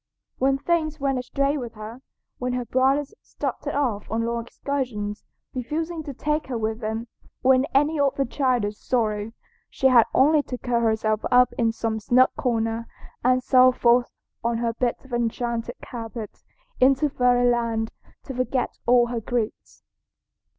When things went astray with her, when her brothers started off on long excursions, refusing to take her with them, or in any other childish sorrow, she had only to curl herself up in some snug corner and sail forth on her bit of enchanted carpet into fairyland to forget all her griefs.